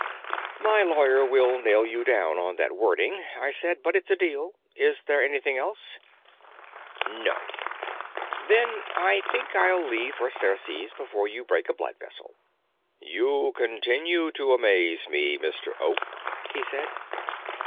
"My lawyer will nail you down on that wording," I said, "but it's a deal. Is there anything else?" "No." "Then I think I'll leave for Ceres before you break a blood vessel." "You continue to amaze me, Mr. Oak," he said.